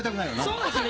そうですよね。